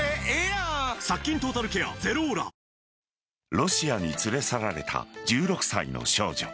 ロシアに連れ去られた１６歳の少女。